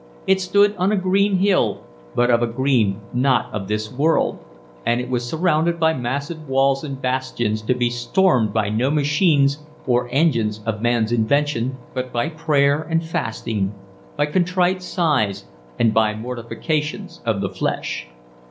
It stood on a green hill, but of a green not of this world, and it was surrounded by massive walls and bastions to be stormed by no machines or engines of man's invention, but by prayer and fasting, by contrite sighs and by mortifications of the flesh.